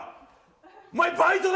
お前バイトな！